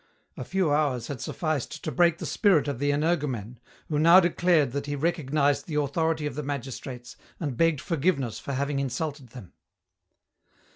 A few hours had sufficed to break the spirit of the energumen, who now declared that he recognized the authority of the magistrates and begged forgiveness for having insulted them.